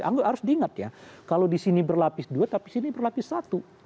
anggota harus diingat ya kalau di sini berlapis dua tapi sini berlapis satu